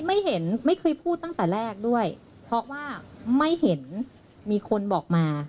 ไม่เห็นไม่เคยพูดตั้งแต่แรกด้วยเพราะว่าไม่เห็นมีคนบอกมา